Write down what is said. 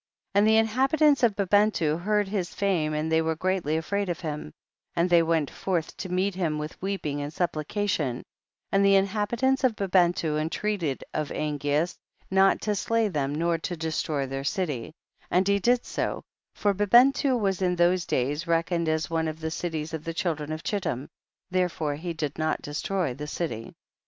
29. And the inhabitants of Bibentu heard of his fame and they were great ly afraid of him, and they went forth to meet him with weeping and sup plication, and the inhabitants of Bi bentu entreated of Angeas not to slay them nor to destroy their city; and he did so, for Bibentu was in those days reckoned as one of the cities of the children of Chittim ; therefore he did not destroy the city.